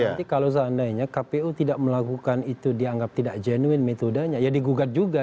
nanti kalau seandainya kpu tidak melakukan itu dianggap tidak jenuin metodenya ya digugat juga